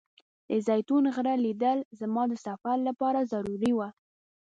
د زیتون غره لیدل زما د سفر لپاره ضروري و.